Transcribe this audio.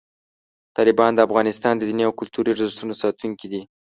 طالبان د افغانستان د دیني او کلتوري ارزښتونو ساتونکي دي.